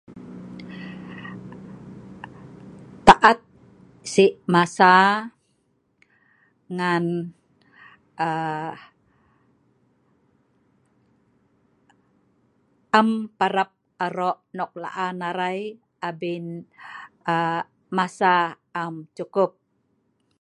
Taat si masa ngan am parab aro nok laan arai abin masa am cukup